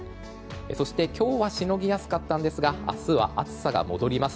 今日はしのぎやすかったんですが明日は暑さが戻ります。